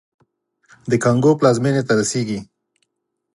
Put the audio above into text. د کانګو پلازمېنې ته رسېږي.